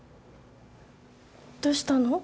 どうしたの？